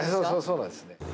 そうなんです。